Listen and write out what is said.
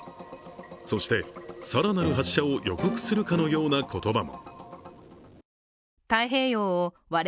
そして、更なる発射を予告するかのような言葉も。